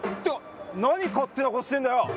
何勝手なことしてるんだよ！